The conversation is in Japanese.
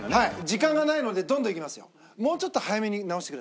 時間がないのでどんどんいきますよ。